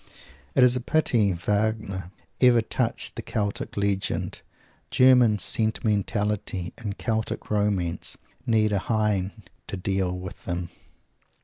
It is a pity Wagner ever touched the Celtic Legend German sentimentality and Celtic romance need a Heine to deal with them!